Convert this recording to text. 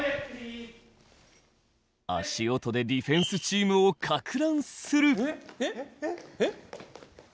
足音でディフェンスチームをかく乱する。